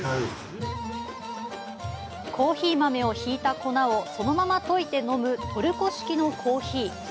コーヒー豆をひいた粉を、そのまま溶いて飲むトルコ式のコーヒー。